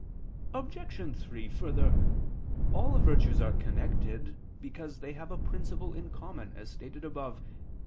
Obj. 3: Further, all virtues are connected, because they have a principle in common, as stated above (Q.